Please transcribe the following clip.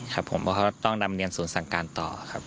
ครับผมเพราะเขาต้องดำเนียนศูนย์สั่งการต่อครับ